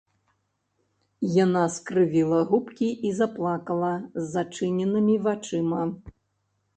Яна скрывіла губкі і заплакала з зачыненымі вачыма.